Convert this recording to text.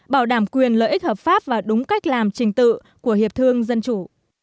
bảo đảm quyền lợi ích hợp pháp và đúng cách làm trình tự của hiệp thương dân chủ